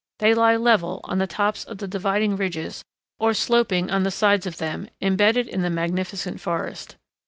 They lie level on the tops of the dividing ridges, or sloping on the sides of them, embedded in the magnificent forest.